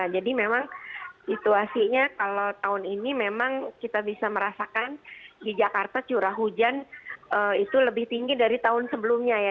jadi memang situasinya kalau tahun ini memang kita bisa merasakan di jakarta curah hujan itu lebih tinggi dari tahun sebelumnya ya